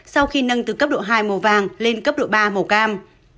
sau khi nâng từ cấp độ hai màu vàng lên cấp độ ba màu cam